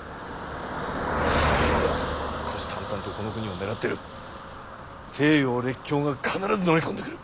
そんなことになりゃ虎視眈々とこの国を狙ってる西洋列強が必ず乗り込んでくる。